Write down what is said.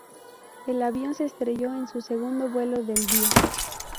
El avión se estrelló en su segundo vuelo del día.